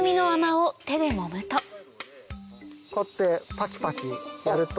こうやってパキパキやると。